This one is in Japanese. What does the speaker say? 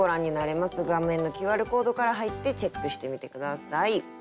画面のＱＲコードから入ってチェックしてみて下さい。